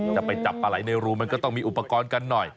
จะไปจับปลาไหลในรูมันก็ต้องมีอุปกรณ์กันหน่อย